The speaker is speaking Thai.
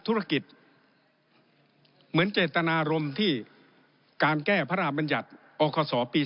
ธุรกิจเหมือนเจตนารมณ์ที่การแก้พระราชบัญญัติอคศปี๒๕